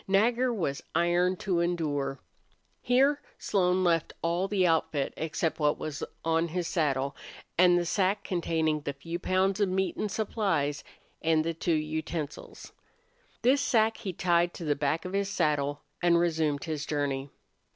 Nagger was iron to endure. Here Slone left all the outfit except what was on his saddle, and the sack containing the few pounds of meat and supplies, and the two utensils. This sack he tied on the back of his saddle, and resumed his journey.